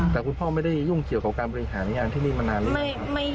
แต่คุณพ่อไม่ได้ยุ่งเกี่ยวกับการบริหารงานที่นี่มานานหรือ